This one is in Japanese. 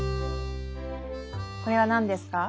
これは何ですか？